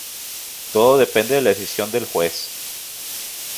Todo depende de la decisión del juez.